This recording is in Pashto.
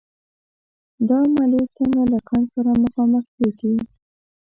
دا عملیې څنګه له خنډ سره مخامخ کېږي؟